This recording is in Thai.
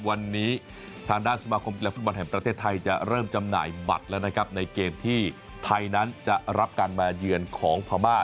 วันนี้ทางด้านสมาคมกีฬาฟุตบอลแห่งประเทศไทยจะเริ่มจำหน่ายบัตรแล้วนะครับในเกมที่ไทยนั้นจะรับการมาเยือนของพม่า